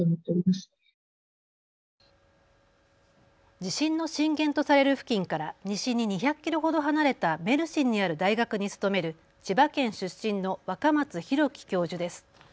地震の震源とされる付近から西に２００キロほど離れたメルシンにある大学に勤める千葉県出身の若松大樹教授です。